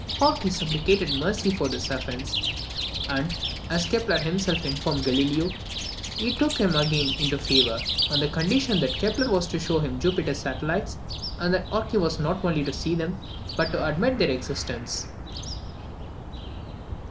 Horky supplicated mercy for his offence; and, as Kepler himself informed Galileo, he took him again into favour, on the condition that Kepler was to show him Jupiter's satellites, and that Horky was not only to see them, but to admit their existence.